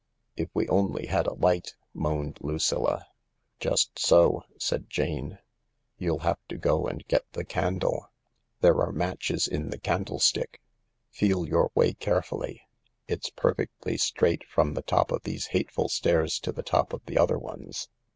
" If we only had a light !" moaned Lucilla. " Just so," said Jane. " You'll have to go and get the 56 THE LARK candle. There are matches in the candlestick. Feel your way carefully. It's perfectly straight from the top of these hateful stairs to the top of the other ones.